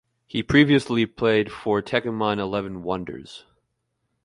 He previously played for Techiman Eleven Wonders.